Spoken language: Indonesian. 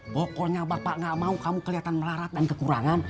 pokoknya bapak gak mau kamu kelihatan melarat dan kekurangan